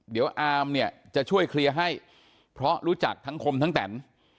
เดี๋ยวอามเนี่ยจะช่วยเคลียร์ให้เพราะรู้จักทั้งคมทั้งแตน